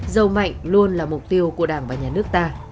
giàu mạnh luôn là mục tiêu của đảng và nhà nước ta